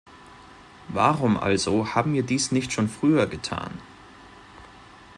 Warum also haben wir dies nicht schon früher getan?